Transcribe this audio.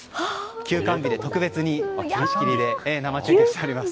休館日で特別に貸し切りで生中継しております。